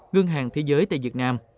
ngân hàng thế giới tại việt nam